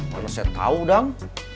mana saya tahu dang